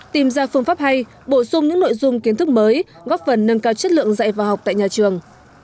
tìm ra phương pháp hay bổ sung những nội dung kiến thức mới góp phần nâng cao chất lượng dạy và học tại nhà trường